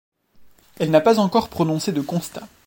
Elle n'a pas encore prononcé de constat.